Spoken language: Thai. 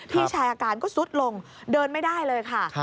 พี่ชายอาการก็ซุดลงเดินไม่ได้เลยค่ะ